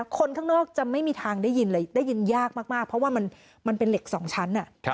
คนข้างนอกจะไม่มีทางได้ยินเลยได้ยินยากมากเพราะว่ามันเป็นเหล็กสองชั้น